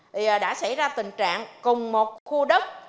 thì đã xảy ra tình trạng cùng một khu đất